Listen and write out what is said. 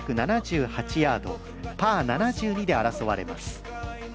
ヤードパー７２で争われます。